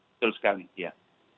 betul sekali iya